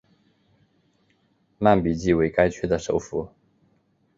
曼比季为该区的首府。